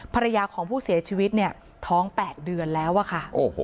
ภรรยาของผู้เสียชีวิตเนี่ยท้อง๘เดือนแล้วอะค่ะ